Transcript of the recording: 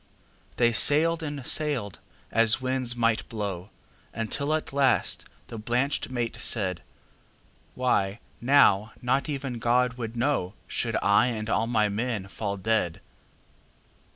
'"They sailed and sailed, as winds might blow, Until at last the blanched mate said:"Why, now not even God would knowShould I and all my men fall dead.